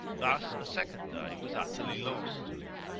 Thus a second day was utterly lost.